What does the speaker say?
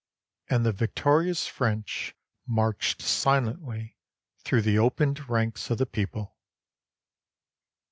And the victorious French marched silently through the opened ranks of the people.